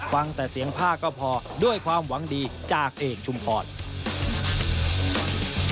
ฟังแต่เสียงภาคก็พอด้วยความหวังดีจากเอกชุมพร